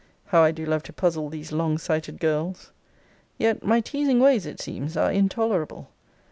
How do I love to puzzle these long sighted girls! Yet 'my teasing ways,' it seems, 'are intolerable.'